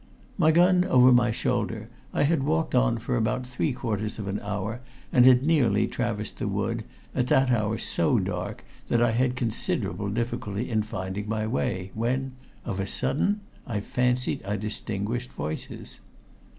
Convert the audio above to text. My gun over my shoulder, I had walked on for about three quarters of an hour, and had nearly traversed the wood, at that hour so dark that I had considerable difficulty in finding my way, when of a sudden I fancied I distinguished voices.